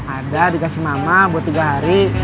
ada dikasih mama buat tiga hari